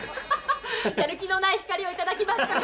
やる気のない光を頂きましたが。